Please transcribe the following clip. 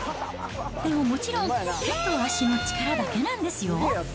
でももちろん、手と足の力だけなんですよ。